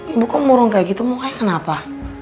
ibu kok murung kayak gitu mau kayak kenapa